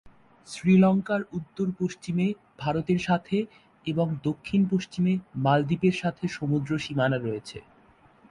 শ্রীলঙ্কার উত্তর-পশ্চিমে ভারতের সাথে এবং দক্ষিণ-পশ্চিমে মালদ্বীপের সাথে সমুদ্র সীমানা রয়েছে।